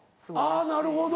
あぁなるほど。